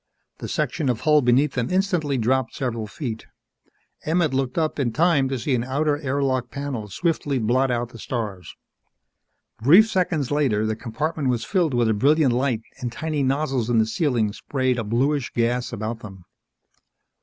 The section of hull beneath them instantly dropped several feet. Emmett looked up in time to see an outer air lock panel swiftly blot out the stars. Brief seconds later, the compartment was filled with a brilliant light and tiny nozzles in the ceiling sprayed a bluish gas about them.